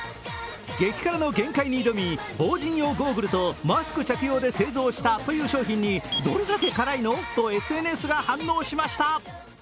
激辛の限界に挑み、防じん用ゴーグルとマスク着用で製造したという商品にどれだけ辛いの？とＳＮＳが反応しました。